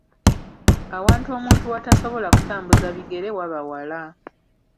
Awantu omuntu w’atasobola kutambuza bigere waba wala.